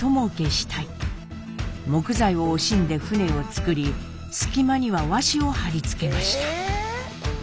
木材を惜しんで船をつくり隙間には和紙を貼り付けました。